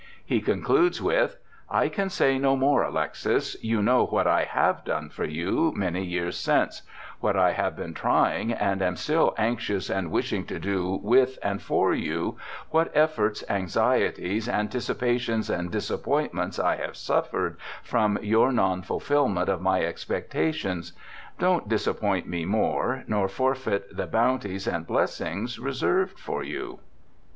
He concludes with, ' I can say no more, Alexis — you know what I have done for you many years since— what I have been trying, and am still anxious and wishing to do with and for you — what i66 BIOGRAPHICAL ESSAYS efforts, anxieties, anticipations, and disappointments I have suffered from your non fulfilment of my expecta tions. Don't disappoint me more nor forfeit the bounties and blessings reserved for you.'